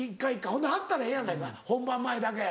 ほんで貼ったらええやないかい本番前だけ。